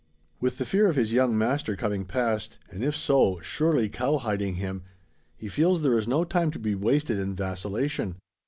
With the fear of his young master coming past and if so, surely "cow hiding" him he feels there is no time to be wasted in vacillation.